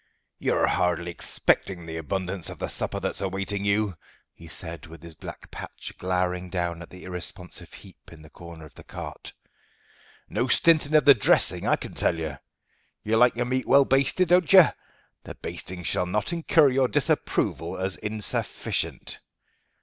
"You're hardly expecting the abundance of the supper that's awaiting you," he said, with his black patch glowering down at the irresponsive heap in the corner of the cart. "No stinting of the dressing, I can tell you. You like your meat well basted, don't you? The basting shall not incur your disapproval as insufficient.